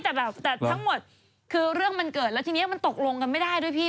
แต่แบบแต่ทั้งหมดคือเรื่องมันเกิดแล้วทีนี้มันตกลงกันไม่ได้ด้วยพี่